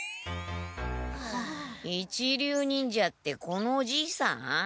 一流忍者ってこのお爺さん？